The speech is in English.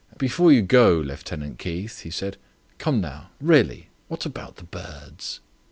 "Before you go, Lieutenant Keith," he said. "Come now. Really, what about the birds?"